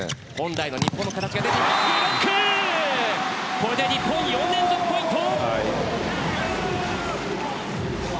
これで日本４連続ポイント。